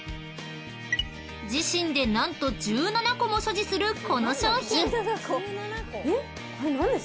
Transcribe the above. ［自身で何と１７個も所持するこの商品］えっ？